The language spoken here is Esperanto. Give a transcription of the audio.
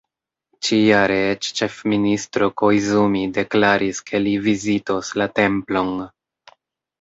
Ĉi-jare eĉ ĉefministro Koizumi deklaris, ke li vizitos la templon.